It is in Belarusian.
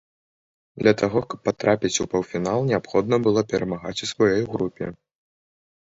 Для таго, каб патрапіць у паўфінал неабходна было перамагаць у сваёй групе.